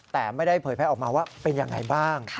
แต่ไม่ได้เผยแพร่ออกมาว่าเป็นยังไงบ้าง